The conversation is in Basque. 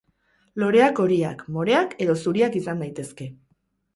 Loreak horiak, moreak edo zuriak izan daitezke.